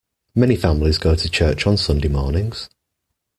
Many families go to church on Sunday mornings.